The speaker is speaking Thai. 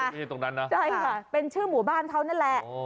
นี่ตรงนั้นนะใช่ค่ะเป็นชื่อหมู่บ้านเขานั่นแหละ